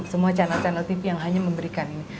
semua channel channel tv yang hanya memberikan ini